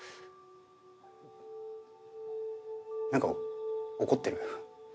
なんか怒ってる？